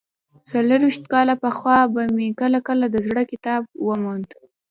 څلوېښت کاله پخوا به مې کله کله د زړه کتاب وموند.